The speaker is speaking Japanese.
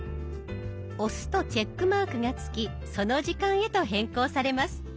押すとチェックマークがつきその時間へと変更されます。